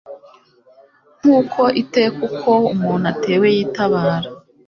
Nk'uko iteka uko umuntu atewe yitabara